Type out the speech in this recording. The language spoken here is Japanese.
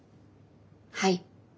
はい。